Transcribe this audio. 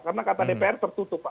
karena kata dpr tertutup pak